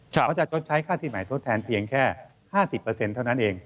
เขาจะชดใช้ค่าที่หมายทดแทนเพียงแค่๕๐เท่านั้นเอง